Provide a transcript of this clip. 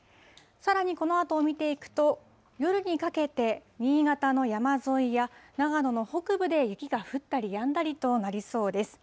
さらにこのあとを見ていくと、夜にかけて新潟の山沿いや長野の北部で雪が降ったりやんだりとなりそうです。